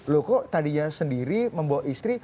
loh kok tadinya sendiri membawa istri